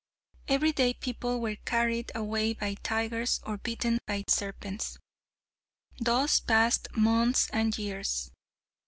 Every day people were carried away by tigers or bitten by serpents. Thus passed months and years.